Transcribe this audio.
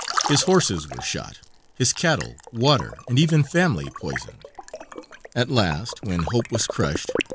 His horses were shot, his cattle, water, and even family poisoned. At last, when hope was crushed.